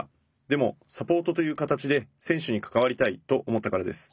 でもサポートという形で選手に関わりたいと思ったからです。